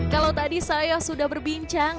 kalau tadi saya sudah berbincang